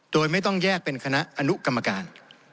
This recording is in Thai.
โดยไม่ต้องแยกเป็นคณะอนุกรรมการ